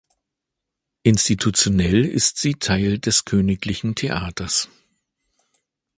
Institutionell ist sie Teil des Königlichen Theaters.